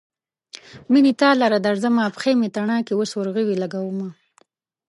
مينه تا لره درځمه : پښې مې تڼاکې اوس ورغوي لګومه